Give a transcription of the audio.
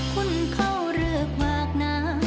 คุณเขาเรื่องภาคนา